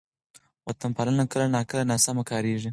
وطن پالنه کله ناکله ناسمه کارېږي.